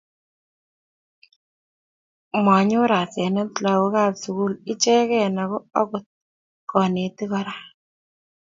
Manyor asenet lagokab sukul ichegei ako akot konetik kora